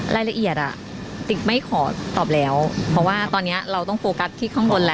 รายละเอียดอ่ะติ๊กไม่ขอตอบแล้วเพราะว่าตอนนี้เราต้องโฟกัสที่ข้างบนแล้ว